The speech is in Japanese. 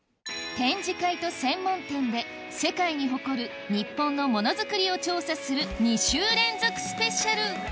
展示会と専門店で世界に誇る日本のモノづくりを調査する２週連続スペシャル